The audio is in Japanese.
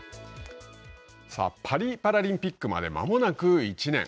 パリパラリンピックまでまもなく１年。